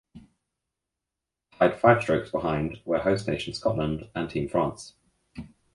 Tied five strokes behind were host nation Scotland and team France.